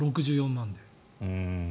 ６４万で。